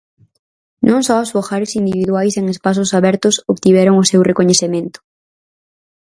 Non só os fogares individuais en espazos abertos obtiveron o seu recoñecemento.